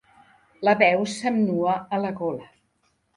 La veu se'm nua a la gola.